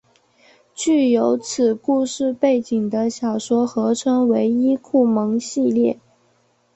具有此故事背景的小说合称为伊库盟系列。